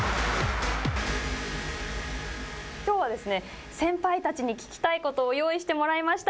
きょうはですね、先輩たちに聞きたいことを用意してもらいました。